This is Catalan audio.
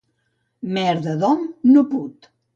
Merda d'hom no put.